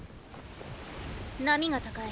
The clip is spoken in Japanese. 波が高い。